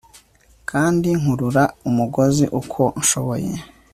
Kandi nkurura umugozi uko nshoboye